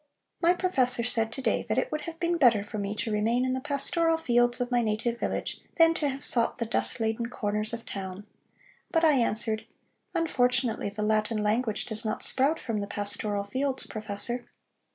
My professor said to day that it would have been better for me to remain in the pastoral fields of my native village, than to have sought the dust laden corners of town. But I answered: 'Unfortunately the Latin language does not sprout from the pastoral fields, professor.'"